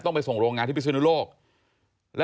ขอบคุณครับและขอบคุณครับ